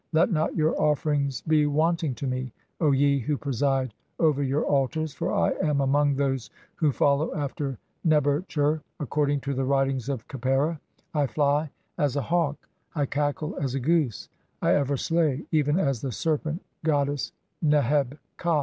"Let not your offerings be wanting to me, O ye who preside "over your altars, for I am among those who follow after Neb "er tcher according to the writings (37) of Khepera. I fly as a "hawk, I cackle as a goose ; I ever slay, even as the serpent god "dess Neheb ka."